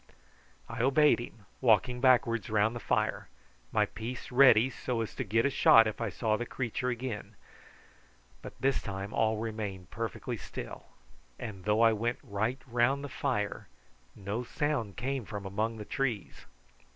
I obeyed him, walking backwards round the fire, my piece ready, so as to get a shot if I saw the creature again; but this time all remained perfectly still, and though I went right round the fire, no sound came from among the trees.